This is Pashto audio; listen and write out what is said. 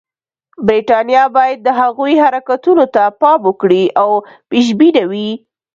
برټانیه باید د هغوی حرکتونو ته پام وکړي او پېشبینه وي.